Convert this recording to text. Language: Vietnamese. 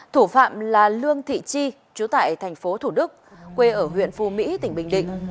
thủ phạm là lương thị chi chú tại thành phố thủ đức quê ở huyện phu mỹ tỉnh bình định